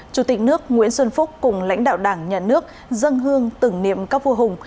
chủ tịch nước nguyễn xuân phúc cùng lãnh đạo đảng nhà nước dân hương tưởng niệm các vua hùng